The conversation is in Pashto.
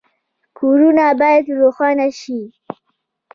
کورونه باید روښانه شي